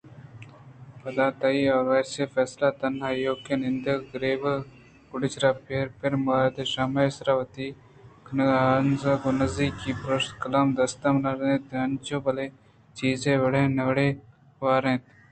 پدا تئی آروسےفیصلہ تہنا ایوک ءَ نندگ ءُگرٛیوک ءُگُڈ سرءَ پیریں مردءِ شمئے سرا باور کنگ ءُہانز ءِ گوں تو نزّیکی ءِ پُژدر ءَ کلام ءِ دست مان اِنت انچونابلئے چیزے ءُوڑے ناوڑے ءَہوار اَنت